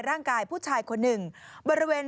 ผู้ชายผู้ชายคนหนึ่งบริเวณ